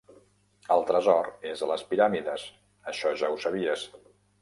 El tresor és a les Piràmides; això ja ho sabies.